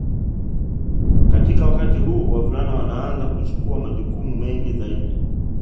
Katika wakati huu wavulana wanaanza kuchukua majukumu mengi zaidi